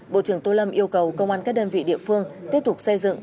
bộ trưởng tô lâm yêu cầu công an các đơn vị địa phương tiếp tục xây dựng